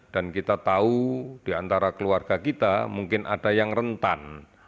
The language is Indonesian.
dan kita tahu di antara keluarga kita mungkin ada yang rentan